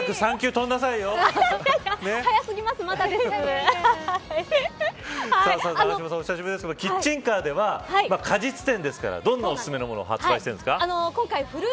早すぎます、永島さんお久しぶりですけれどキッチンカーでは果実店ですからどんなお薦めのものを発売しているんですか。